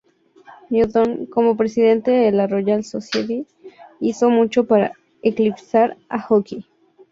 Newton, como Presidente de la Royal Society, hizo mucho para eclipsar a Hooke.